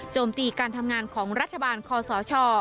ตีการทำงานของรัฐบาลคอสช